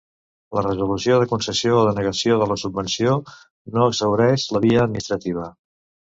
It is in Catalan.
La resolució de concessió o denegació de la subvenció no exhaureix la via administrativa.